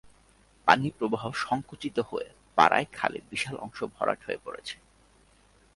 পানি প্রবাহ সংকুচিত হয়ে পড়ায় খালের বিশাল অংশ ভরাট হয়ে পড়েছে।